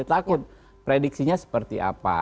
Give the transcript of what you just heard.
takut prediksinya seperti apa